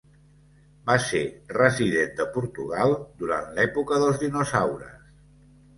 Va ser resident de Portugal durant l'època dels dinosaures.